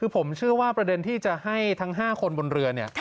ผมเชื่อว่าประเด็นที่จะให้ทั้ง๕คนบนเรือ